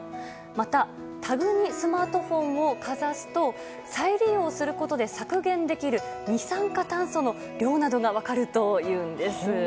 また、タグにスマートフォンをかざすと再利用することで削減できる二酸化炭素の量などが分かるというんです。